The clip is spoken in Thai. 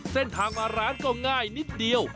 เส้นทางมาร้านก็ง่ายนิดเดียว